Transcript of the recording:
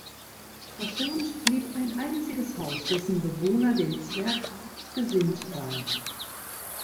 Verschont blieb ein einziges Haus, dessen Bewohner dem Zwerg gut gesinnt waren.